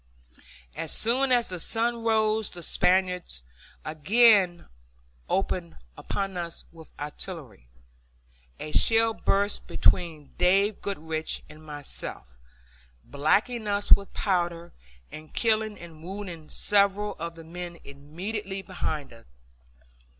As soon as the sun rose the Spaniards again opened upon us with artillery. A shell burst between Dave Goodrich and myself, blacking us with powder, and killing and wounding several of the men immediately behind us.